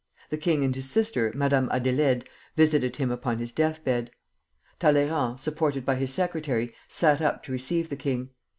The king and his sister, Madame Adélaïde, visited him upon his death bed. Talleyrand, supported by his secretary, sat up to receive the king.